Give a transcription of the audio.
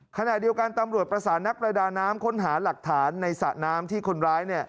ขณะเดียวกันตำรวจประสานนักประดาน้ำค้นหาหลักฐานในสระน้ำที่คนร้าย